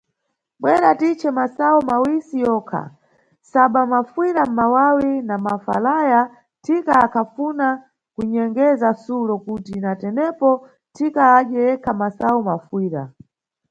Bwera titce masayu mawisi yonka, sobwa mafuyira mʼmawawi Na mafalaya, Thika akhafuna kunyengeza Sulo, kuti na tenepo Thika adye yekha masayu mafuyira.